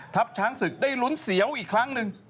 ช้างศึกได้ลุ้นเสียวอีกครั้งหนึ่ง